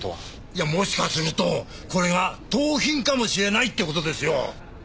いやもしかするとこれが盗品かもしれないって事ですよ。